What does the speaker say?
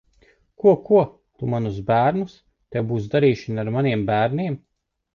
Ko, ko? Tu manus bērnus? Tev būs darīšana ar maniem bērniem!